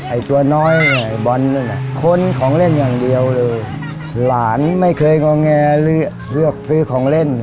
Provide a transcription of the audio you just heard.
ไอ้ตัวน้อยไอ้บอลนั่นน่ะค้นของเล่นอย่างเดียวเลยหลานไม่เคยงอแงเลือกซื้อของเล่น